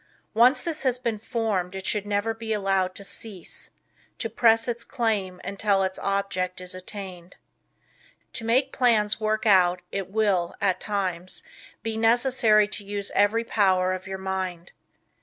Once this has been formed it should never be allowed to cease to press its claim until its object is attained. To make plans work out it will, at times, be necessary to use every power of your mind.